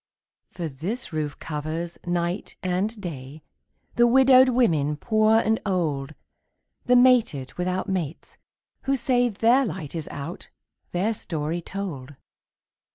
For this roof covers, night and day, The widowed women poor and old, The mated without mates, who say Their light is out, their story told.